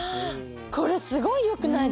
これすごいよくないですか？